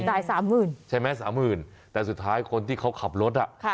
จ่ายสามหมื่นใช่ไหมสามหมื่นแต่สุดท้ายคนที่เขาขับรถอ่ะค่ะ